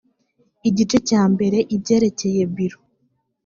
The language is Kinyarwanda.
igice cya mbere ibyerekeye biro